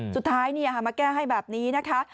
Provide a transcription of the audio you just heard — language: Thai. สุดท้ายมาแก้ให้แบบนี้นะคะ